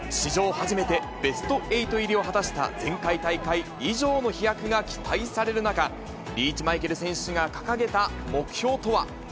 初めてベスト８入りを果たした前回大会以上の飛躍が期待される中、リーチマイケル選手が掲げた目標とは。